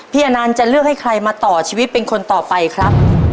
อนันต์จะเลือกให้ใครมาต่อชีวิตเป็นคนต่อไปครับ